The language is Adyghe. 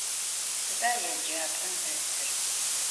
Sıda yêcap'em detır?